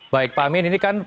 baik pak amin ini kan